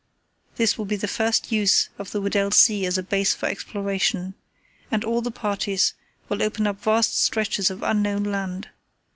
"This will be the first use of the Weddell Sea as a base for exploration, and all the parties will open up vast stretches of unknown land.